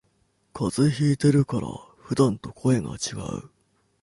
風邪ひいてるから普段と声がちがう